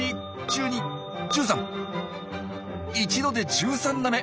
一度で１３なめ！